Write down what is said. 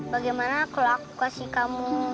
bagaimana kalau aku kasih kamu